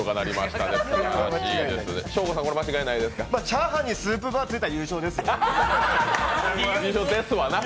チャーハンのスープバーがついたら優勝ですわな。